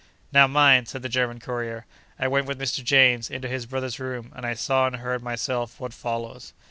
Now, mind! (said the German courier) I went with Mr. James into his brother's room, and I saw and heard myself what follows.